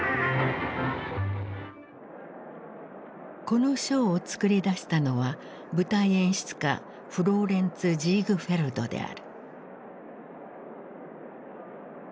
このショーを作り出したのは舞台演出家フローレンツ・ジーグフェルドである。